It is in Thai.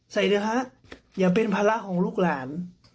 ใส่เดี๋ยวครับอย่าเป็นภาระของลูกหลาน